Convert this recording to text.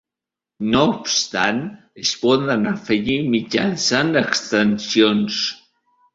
No obstant es poden afegir mitjançant extensions.